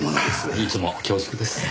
いつも恐縮です。